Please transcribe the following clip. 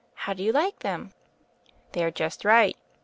How do you like them?" "They are just right.